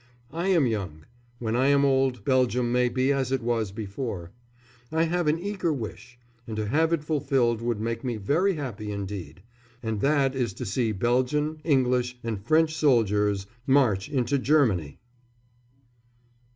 I am young. When I am old Belgium may be as it was before. I have an eager wish, and to have it fulfilled would make me very happy indeed and that is to see Belgian, English, and French soldiers march into Germany!